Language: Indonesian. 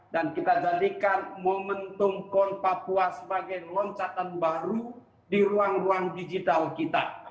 dan kita jadikan momentum pon papua sebagai loncatan baru di ruang ruang digital kita